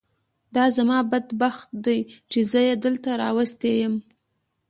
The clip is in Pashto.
دا زما بد بخت دی چې زه یې دلته راوستی یم.